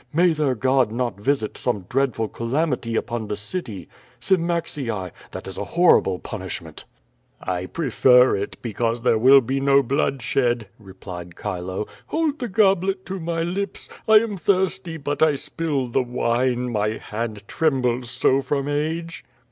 May their God not visit some dreadful calamity upon the city. 8i*niaxii! That is a horri ble punishment.^ 9> tr QUO VADI8. 443 "I prefer it, because there will be no bloodshed/' replied Chilo. "Hold the goblet to my lips. I am thirsty, but I spill the wine, my hand trembles so from age."